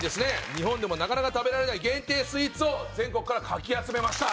日本でもなかなか食べられない限定スイーツを全国からかき集めました。